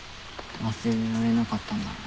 忘れられなかったんだ。